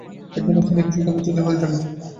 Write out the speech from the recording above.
এর জন্য স্থানীয় কৃষকদের প্রস্তুতিও থাকে।